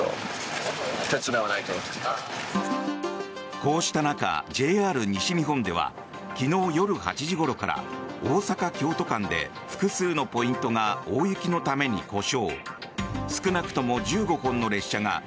こうした中、ＪＲ西日本では昨日夜８時ごろから大阪京都間で複数のポイントが大雪のために故障。